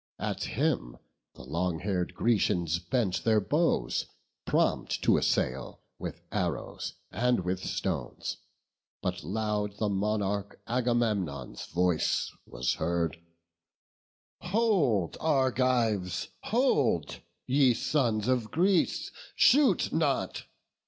At him the long haired Grecians bent their bows, Prompt to assail with arrows and with stones; But loud the monarch Agamemnon's voice Was heard; "Hold, Argives, hold! ye sons of Greece, Shoot not!